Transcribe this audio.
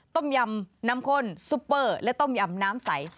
ต้มยำน้ำข้นซุปเปอร์และต้มยำน้ำใส